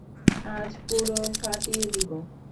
আজ পুরো ফাটিয়ে দিবো।